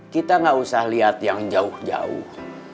kita nggak usah lihat yang jauh jauh